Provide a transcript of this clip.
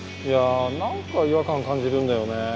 いやなんか違和感感じるんだよね。